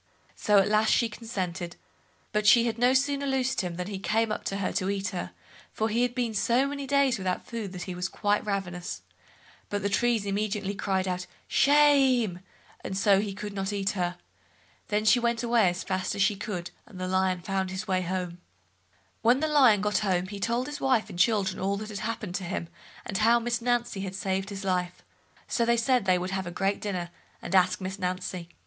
So at last she consented; but she had no sooner loosed him, than he came up to her to eat her, for he had been so many days without food that he was quite ravenous, but the trees immediately cried out "shame", and so he could not eat her. Then she went away as fast as she could, and the Lion found his way home. When Lion got home he told his wife and children all that happened to him, and how Miss Nancy had saved his life, so they said they would have a great dinner, and ask Miss Nancy.